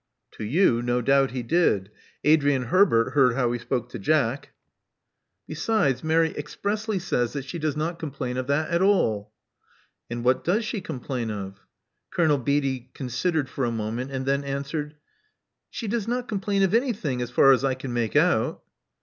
To you, no doubt he did. Adrian Herbert heard how he spoke to Jack." 102 Love Among the Artists Besides, Mary expressly says that she does not complain of that at all." *' And what does she complain of?" Colonel Beatty considered for a moment, and then answered, '*She does not complain of anything, as far as I can make out."